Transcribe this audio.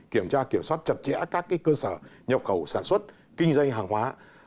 kiểm tra kiểm soát chặt chẽ các cơ sở nhập khẩu sản xuất kinh doanh hàng hóa